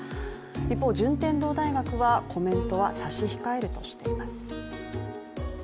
一方、順天堂大学はコメントは差し控えるとしています。